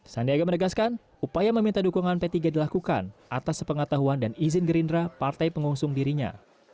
sandiaga menegaskan upaya meminta dukungan p tiga dilakukan atas sepengetahuan dan izin gerindra partai pengusung dirinya